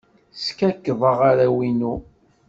Skakkḍeɣ arraw-inu.